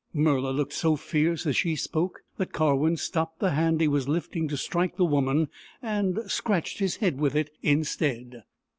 Murla looked so fierce as she spoke that Kar wdn stopped the hand he was lifting to strike the woman, and scratched his head with it instead.